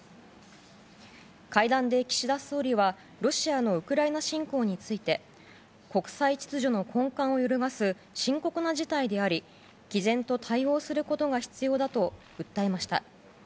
会談で岸田総理はロシアのウクライナ侵攻について国際秩序の根幹を揺るがす深刻な事態であり毅然と対応することが必要だと訴えました。